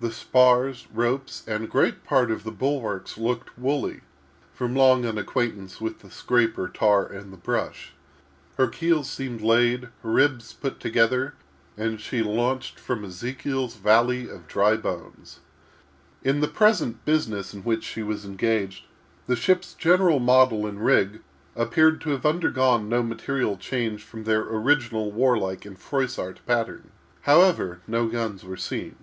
The spars, ropes, and great part of the bulwarks, looked woolly, from long unacquaintance with the scraper, tar, and the brush. Her keel seemed laid, her ribs put together, and she launched, from Ezekiel's Valley of Dry Bones. In the present business in which she was engaged, the ship's general model and rig appeared to have undergone no material change from their original warlike and Froissart pattern. However, no guns were seen.